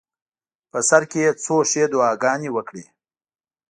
په سر کې یې څو ښې دعاګانې وکړې.